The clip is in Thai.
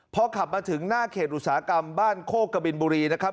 พอขับมาถึงหน้าเขตอุตสาหกรรมบ้านโคกบินบุรีนะครับ